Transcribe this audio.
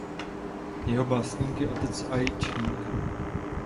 Jeho otec je básník Aj Čching.